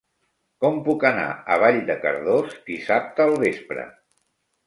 Com puc anar a Vall de Cardós dissabte al vespre?